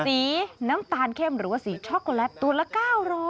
สีน้ำตาลเข้มหรือว่าสีช็อกโกแลตตัวละ๙๐๐